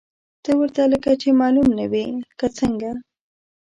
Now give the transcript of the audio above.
ته ورته لکه چې معلوم نه وې، که څنګه!؟